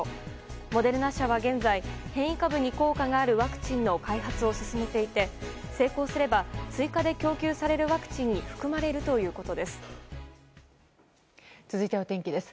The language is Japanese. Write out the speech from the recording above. モデルナ社は現在変異株に効果があるワクチンの開発を進めていて成功すれば追加で供給されるワクチンに含まれるということです。